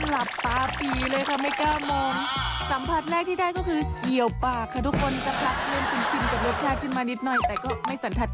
แล้วก็ตามด้วยพริกไทซ์ขึ้นจนหยุดหน่อยหน่อยสักพัก